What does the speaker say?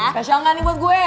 spesial gak nih buat gue ya